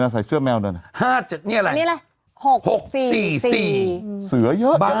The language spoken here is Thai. เขาใส่เสื้อแมวด่วนละครับ